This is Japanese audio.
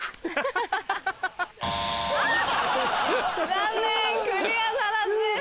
残念クリアならずです。